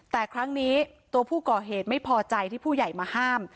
แต่ครั้งนี้ตัวผู้ก่อเหตุไม่พอใจที่ผู้ใหญ่มาห้าม